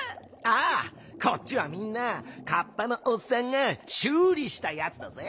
ああこっちはみんなカッパのおっさんがしゅうりしたやつだぜ。